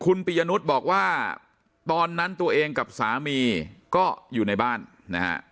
คุณปียนุษย์บอกว่าตอนนั้นตัวเองกับสามีก็อยู่ในบ้านนะฮะ